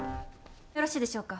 よろしいでしょうか。